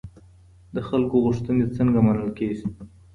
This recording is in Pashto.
د خلګو غوښتني څنګه منل کیږي؟